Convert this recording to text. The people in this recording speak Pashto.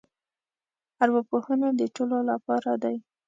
ارواپوهنه د ټولو لپاره دی.